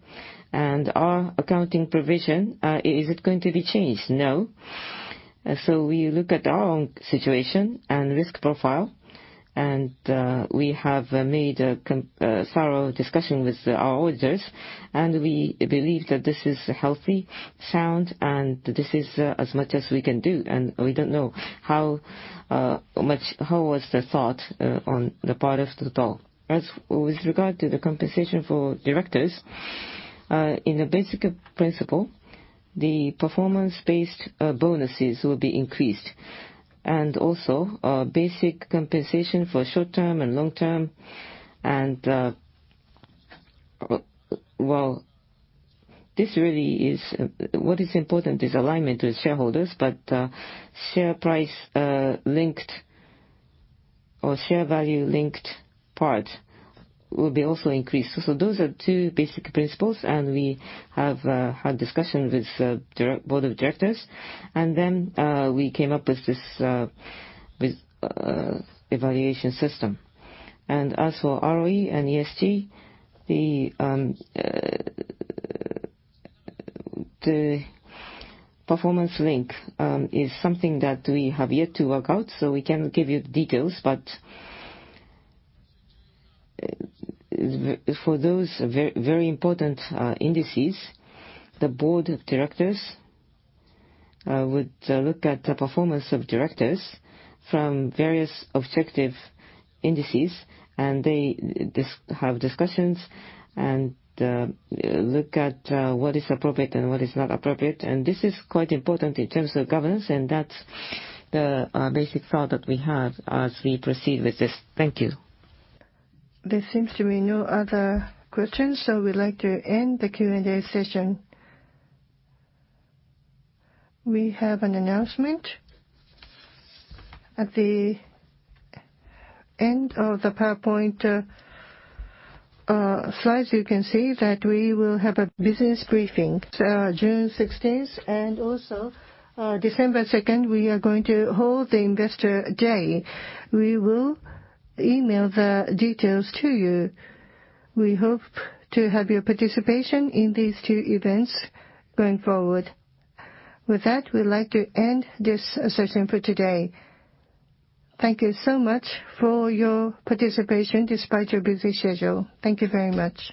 Speaker 2: and our accounting provision, is it going to be changed? No. We look at our own situation and risk profile, and we have made a thorough discussion with our auditors, and we believe that this is healthy, sound, and this is as much as we can do. We don't know how much how was the thought on the part of TotalEnergies. As with regard to the compensation for directors, in a basic principle, the performance-based bonuses will be increased. Also, basic compensation for short term and long term. Well, this really is. What is important is alignment with shareholders, but share price linked or share value linked part will be also increased. Those are two basic principles, and we have had discussions with board of directors. Then we came up with this evaluation system. As for ROE and ESG, the performance link is something that we have yet to work out, so we can't give you the details. For those very important indices, the board of directors would look at the performance of directors from various objective indices, and they have discussions and look at what is appropriate and what is not appropriate. This is quite important in terms of governance, and that's the basic thought that we have as we proceed with this. Thank you.
Speaker 1: There seems to be no other questions, so we'd like to end the Q&A session. We have an announcement. At the end of the PowerPoint slides, you can see that we will have a business briefing June sixteenth. Also, December second, we are going to hold the Investor Day. We will email the details to you. We hope to have your participation in these two events going forward. With that, we'd like to end this session for today. Thank you so much for your participation despite your busy schedule. Thank you very much.